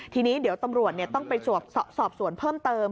ทีนี้เดี๋ยวตำรวจต้องไปสอบสวนเพิ่มเติม